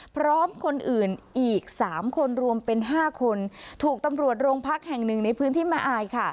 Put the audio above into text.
พร้อมคนอื่นอีก๓คนรวมเป็น๕คนถูกตำรวจโรงพักแห่งหนึ่งในพื้นที่แม่อายค่ะ